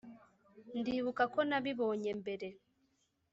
ndibuka ko nabibonye mbere.